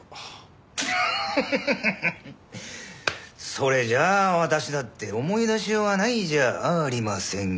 それじゃ私だって思い出しようがないじゃありませんか。